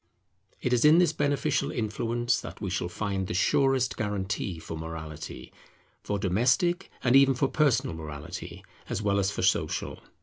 It is in this beneficial influence that we shall find the surest guarantee for morality; for domestic and even for personal morality, as well as for social.